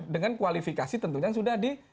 dengan kualifikasi tentunya yang sudah di